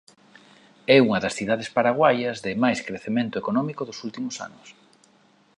É unha das cidades paraguaias de máis crecemento económico dos últimos anos.